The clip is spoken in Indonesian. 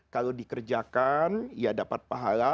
kalau dikerjakan ya dapat pahala